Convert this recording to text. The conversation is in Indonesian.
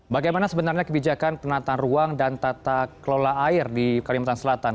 bagaimana sebenarnya kebijakan penataan ruang dan tata kelola air di kalimantan selatan